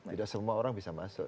tidak semua orang bisa masuk